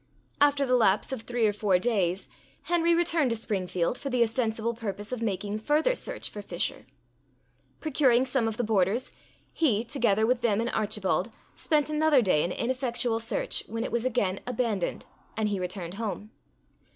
After the lapse of three or four days, Henry returned to Springfield, for the ostensible purpose of makings further search for Fisher. Procuring some of the boarders, he, together with them and Archibald, spent another day in ineffectual search, when it was again abandoned, and he returned home.